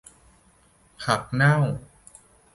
ผักเน่า